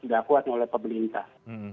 dilakukan oleh pemerintah